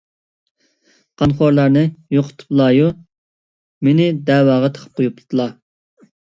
قانخورلارنى يوقىتىپلايۇ، مېنى دەۋاغا تىقىپ قويۇپتىلا.